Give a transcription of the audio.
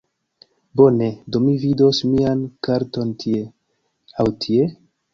Bone, do mi vidos mian karton tie... aŭ tie?